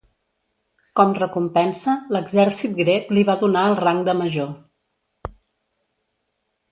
Com recompensa, l'exèrcit grec li va donar el rang de major.